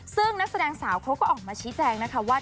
ซึ่งนักแสดงสาวเขาก็ออกมาชี้แจงนะคะว่า